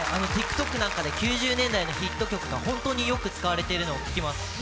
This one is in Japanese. ＴｉｋＴｏｋなんかで９０年代のヒット曲が本当によく使われているのを聴きます。